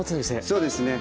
そうですね。